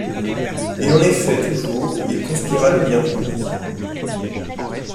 Et en effet toujours il conspira le bien public.